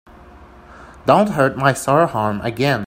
Don't hurt my sore arm again.